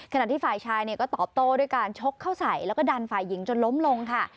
ขณะที่ฝ่ายชายก็ตอบโต้ด้วยการชกเข้าใส่แล้วก็ดันฝ่ายหญิงจนล้มลงค่ะ